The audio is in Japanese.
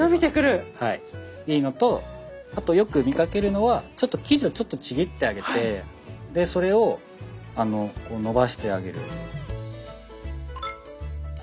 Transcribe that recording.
はいいいのとあとよく見かけるのは生地をちょっとちぎってあげてそれをこうのばしてあげる。